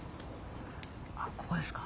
あっここですか。